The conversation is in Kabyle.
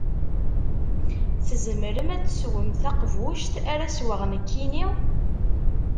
Tzemrem ad teswem taqbuct ara sweɣ nekkini?